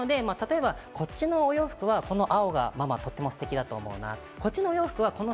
なので例えばこっちのお洋服は、この青がママとってもステキだと思うな。